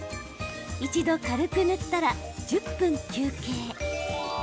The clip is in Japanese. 一度軽く塗ったら１０分休憩。